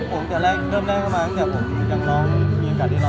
ผมจากเริ่มแรกก็มาตั้งแต่มีการที่ร้องแค่๓เล่น